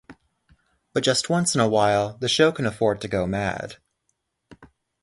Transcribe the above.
But just once in a while the show can afford to go mad.